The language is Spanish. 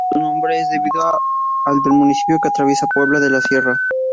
Su nombre es debido al del municipio que atraviesa: Puebla de la Sierra.